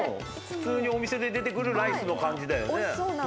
普通にお店で出てくるライスおいしそうな。